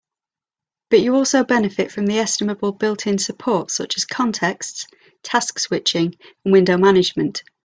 But you also benefit from the estimable built-in support such as contexts, task switching, and window management.